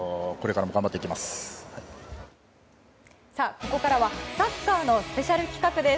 ここからはサッカーのスペシャル企画です。